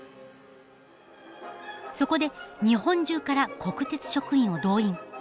そこで日本中から国鉄職員を動員。